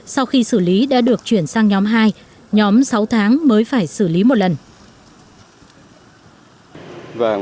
sau khi xử lý đã được chuyển sang nhóm hai nhóm sáu tháng mới phải xử lý một lần